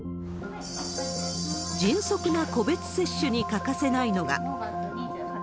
迅速な個別接種に欠かせないのが。